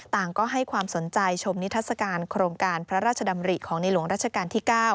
ต่างก็ให้ความสนใจชมนิทัศกาลโครงการพระราชดำริของในหลวงรัชกาลที่๙